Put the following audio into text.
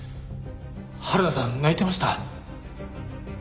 原田さん泣いてました。